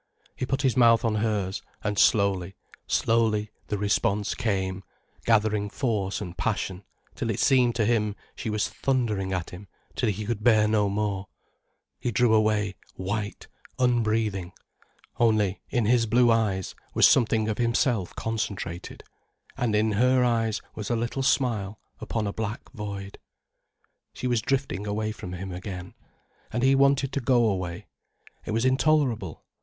He put his mouth on hers, and slowly, slowly the response came, gathering force and passion, till it seemed to him she was thundering at him till he could bear no more. He drew away, white, unbreathing. Only, in his blue eyes, was something of himself concentrated. And in her eyes was a little smile upon a black void. She was drifting away from him again. And he wanted to go away. It was intolerable.